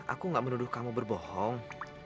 aku gak menuduh kamu berbohong